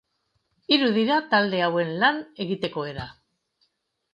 Hiru dira talde hauen lan egiteko era.